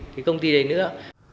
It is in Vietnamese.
cái công ty đấy nữa